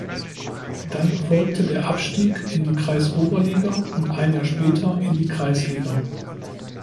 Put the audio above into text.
Dann folgte der Abstieg in die Kreisoberliga und ein Jahr später in die Kreisliga.